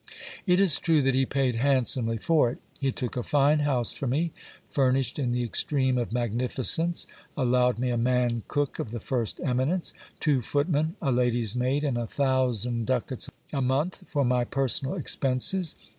It is true that he paid handsomely for it He took a fine house for me, furnished in the extreme of magnificence, allowed me a man cook of the first eminence, two footmen, a lady's maid, and a thousand ducats a month for my personal expenses.